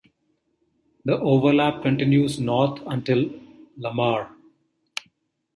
The overlap continues north until Lamar.